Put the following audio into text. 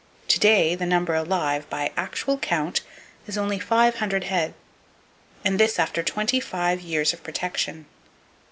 To day, the number alive, by actual count, is only five hundred head; and this after twenty five years of protection!